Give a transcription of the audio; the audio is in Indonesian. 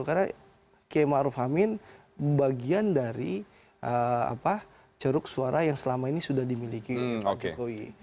karena km arif amin bagian dari ceruk suara yang selama ini sudah dimiliki pak jokowi